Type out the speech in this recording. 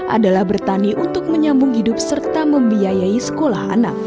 adalah bertani untuk menyambung hidup serta membiayai sekolah anak